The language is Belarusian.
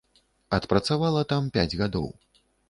Адпрацавала там пяць гадоў.